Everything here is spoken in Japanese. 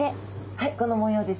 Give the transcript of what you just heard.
はいこの模様ですね。